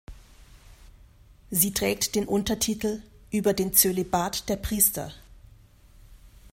Sie trägt den Untertitel "über den Zölibat der Priester".